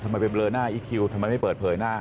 ไปเบลอหน้าอีคิวทำไมไม่เปิดเผยหน้า